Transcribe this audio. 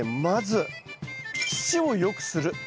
まず土を良くする。